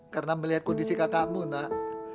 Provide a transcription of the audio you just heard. karena melihat kondisi katamu nak